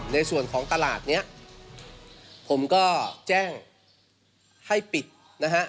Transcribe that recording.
ในส่วนของตลาดเนี้ยผมก็แจ้งให้ปิดนะฮะ